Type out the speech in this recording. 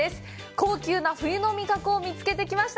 高級な冬の味覚を見つけてきました。